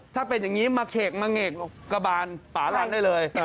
ถ้าเป็นอย่างนี้มาเขกมาเงกกระบานป่าลั่นได้เลย